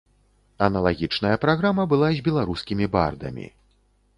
Аналагічная праграма была з беларускімі бардамі.